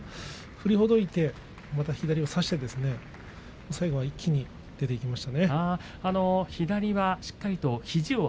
そこから振りほどいてまた左を差して最後は一気に出ていきました。